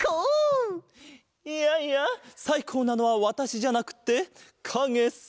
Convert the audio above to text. いやいやさいこうなのはわたしじゃなくってかげさ！